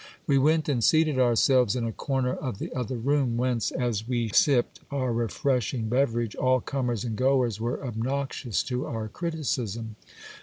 We went and seated ourselves in a corner of the other room, whence, as we sipped our refreshing beverage, all comers and goers were obnoxious to our criticism.